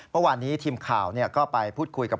เมื่อวานนี้ทีมข่าวก็ไปพูดคุยกับ